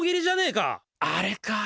あれか！